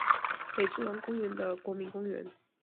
北之丸公园的国民公园。